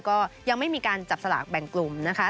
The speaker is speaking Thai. ก็ยังไม่มีการจับสลากแบ่งกลุ่มนะคะ